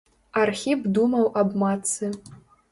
Архіп думаў аб матцы.